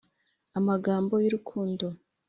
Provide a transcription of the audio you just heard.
Amagambo y ‘urukundo.